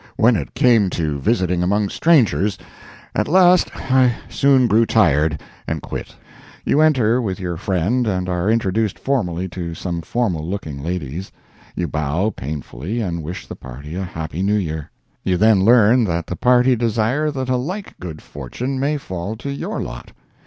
When it came to visiting among strangers, at last, I soon grew tired and quit. You enter with your friend and are introduced formally to some formal looking ladies. You bow painfully and wish the party a happy New Year. You then learn that the party desire that a like good fortune may fall to your lot.